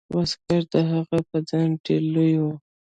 واسکټ د هغه په ځان کې ډیر لوی و.